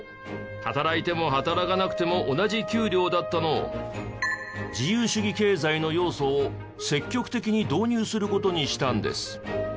働いても働かなくても同じ給料だったのを自由主義経済の要素を積極的に導入する事にしたんです。